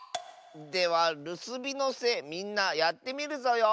では「るすびのせ」みんなやってみるぞよ。